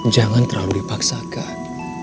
jangan terlalu dipaksakan